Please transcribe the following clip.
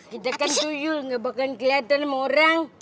kita kan tuyul nggak bakalan kelihatan sama orang